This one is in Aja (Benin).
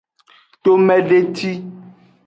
Tomedeci.